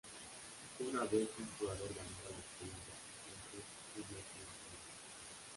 Una vez que un jugador ganaba la experiencia suficiente, subía al siguiente nivel.